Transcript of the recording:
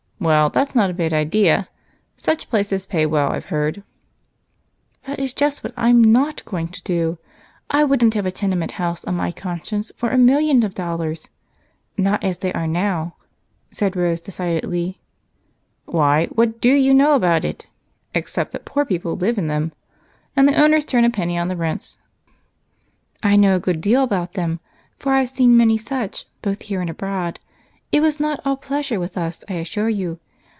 Well, that's not a bad idea such places pay well, I've heard." "That is just what I'm not going to do. I wouldn't have a tenement house on my conscience for a million dollars not as they are now," said Rose decidedly. "Why, what do you know about it, except that people live in them and the owners turn a pretty penny on the rents?" "I know a good deal about them, for I've seen many such, both here and abroad. It was not all pleasure with us, I assure you.